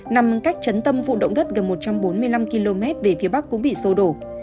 nằm cách chấn tâm vụ động đất gần một trăm bốn mươi năm km về phía bắc cũng bị sô đổ